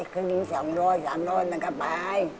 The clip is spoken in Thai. ครึ่งสองรถสามรถมันก็ไป